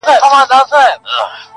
د مستو پېغلو د پاولیو وطن!.